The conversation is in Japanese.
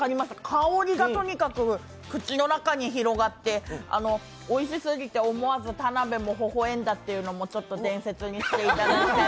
香りがとにかく口の中に広がって、おいしすぎて思わず田辺もほほ笑んだっていうのも伝説にしていただいて。